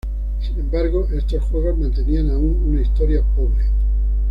Sin embargo, estos juegos mantenían aún una historia pobre.